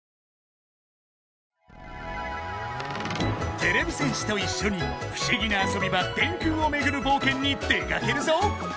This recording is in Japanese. てれび戦士といっしょにふしぎなあそび場電空をめぐるぼうけんに出かけるぞ！